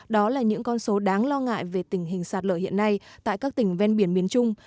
đó là những con số đáng lo ngại về tình hình sạt lở hiện nay tại các tỉnh ven biển miền trung